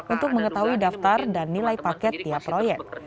untuk mengetahui daftar dan nilai paket tiap proyek